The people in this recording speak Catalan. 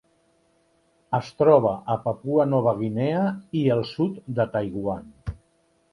Es troba a Papua Nova Guinea i el sud de Taiwan.